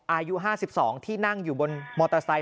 อายุ๕๒ที่นั่งอยู่บนมอเตอร์ไซค